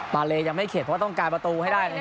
เลยังไม่เข็ดเพราะว่าต้องการประตูให้ได้นะครับ